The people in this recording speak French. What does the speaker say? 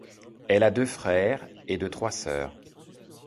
Elle a deux frères et de trois sœurs.